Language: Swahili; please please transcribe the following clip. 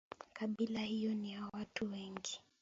Kabila hiyo ni ya watu wengi